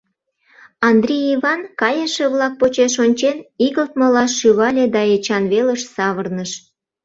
Андри Иван, кайыше-влак почеш ончен, игылтмыла шӱвале да Эчан велыш савырныш: